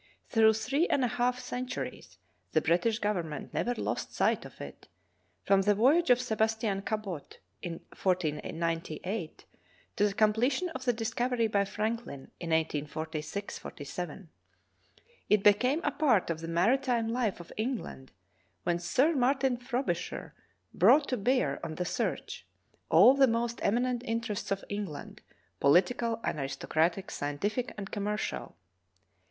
Through three and a half centuries the British Government never lost sight of it, from the voyage of Sebastian Cabot, in 1498, to the completion of the discovery by Franklin in 1846 7. It became a part of the maritime life of England when Sir Martin Frobisher brought to bear on the search "all the most eminent interests of England — political and aristocratic, scientific and commercial.